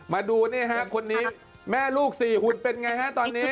มาดูนี่ฮะคนนี้แม่ลูก๔หุ่นเป็นไงฮะตอนนี้